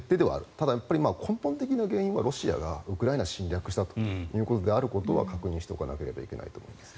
ただ、根本的な原因はロシアがウクライナを侵略したということであることは確認しておかなければいけないと思います。